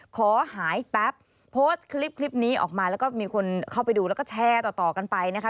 ขอหายแป๊บโพสต์คลิปนี้ออกมาแล้วก็มีคนเข้าไปดูแล้วก็แชร์ต่อกันไปนะคะ